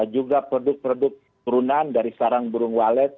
juga produk produk turunan dari sarang burung walet